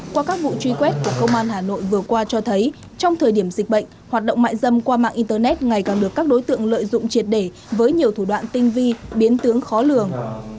qua các vụ truy quét của công an hà nội vừa qua cho thấy trong thời điểm dịch bệnh hoạt động mại dâm qua mạng internet ngày càng được các đối tượng lợi dụng triệt để với nhiều thủ đoạn tinh vi biến tướng khó lường